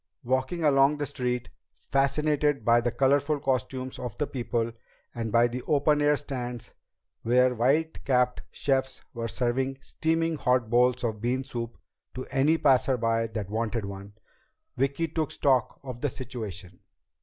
Walking along the street, fascinated by the colorful costumes of the people and by the open air stands where white capped chefs were serving steaming hot bowls of bean soup to any passer by that wanted one, Vicki took stock of the situation.